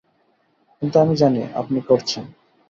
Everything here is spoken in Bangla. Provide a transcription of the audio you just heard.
কিন্তু আমি জানি, আপনি করছেন।